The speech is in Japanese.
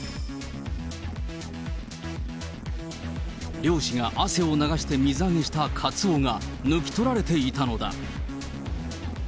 漁師が汗を流して水揚げしたカツオが抜き取られていたのだ。